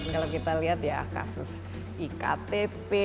kalau kita lihat ya kasus iktp